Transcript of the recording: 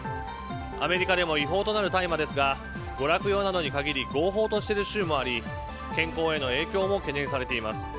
アメリカでも違法となる大麻ですが娯楽用などに限り合法としている州もあり健康への影響も懸念されています。